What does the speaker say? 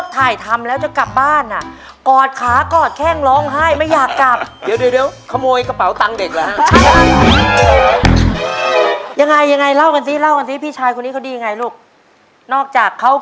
ตั้งแต่ได้ฟังเพลงแรกของพี่แซคครับก็ชอบครับ